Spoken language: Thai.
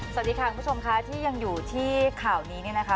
สวัสดีค่ะคุณผู้ชมค่ะที่ยังอยู่ที่ข่าวนี้เนี่ยนะคะ